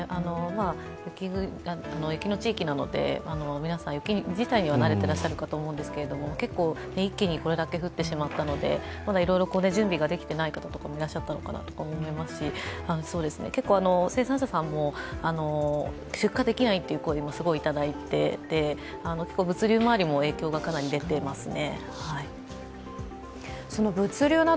雪の地域なので皆さん雪自体には慣れていらっしゃるかと思うんですけれども、結構、一気にこれだけ降ってしまったので準備できていない方もいらっしゃったのではないかと思いますし生産者さんも出荷できないという声もすごいいただいていて、物流周りも影響がかなり出ていますね。